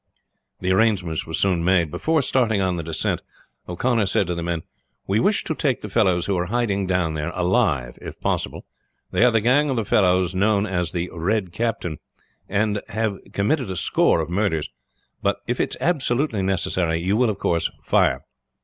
The arrangements were soon made. Before starting on the descent O'Connor said to the men: "We wish to take the fellows who are hiding down there alive if possible. They are the gang of the fellow known as the 'Red Captain,' and have committed a score of murders; but if it is absolutely necessary you will of course fire.